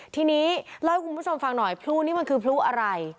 ทีนี้เล่าให้คุณผู้ชมฟังหน่อยพลุนี่มันคือพลุอะไร